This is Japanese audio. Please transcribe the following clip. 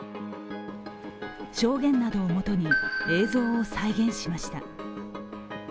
証言などをもとに映像を再現しました。